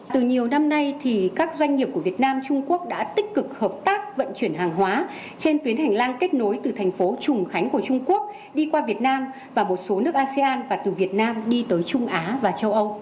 từ nhiều năm nay các doanh nghiệp của việt nam trung quốc đã tích cực hợp tác vận chuyển hàng hóa trên tuyến hành lang kết nối từ thành phố trùng khánh của trung quốc đi qua việt nam và một số nước asean và từ việt nam đi tới trung á và châu âu